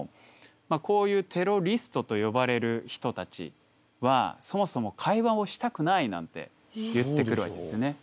こういうテロリストと呼ばれる人たちはそもそも会話をしたくないなんて言ってくるわけですね。